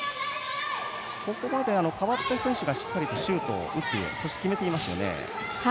ここまで代わった選手がしっかりシュートを打っているそして決めていますね。